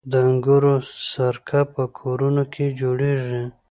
د انګورو سرکه په کورونو کې جوړیږي.